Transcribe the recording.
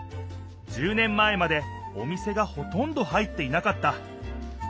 １０年前までお店がほとんど入っていなかった。